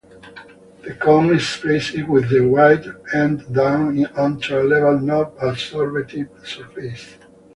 The cone is placed with the wide end down onto a level, non-absorptive surface.